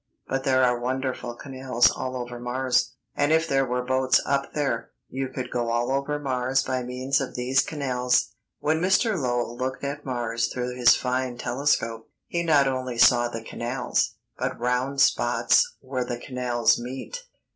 But there are wonderful canals all over Mars, and if there were boats up there, you could go all over Mars by means of these canals. When Mr. Lowell looked at Mars through his fine telescope, he not only saw the canals, but round spots where the canals meet."